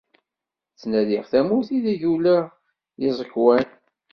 Ttnadiɣ tamurt ideg ula iẓekwan.